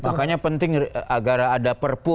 makanya penting agar ada perpu